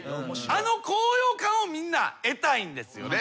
あの高揚感をみんな得たいんですよね。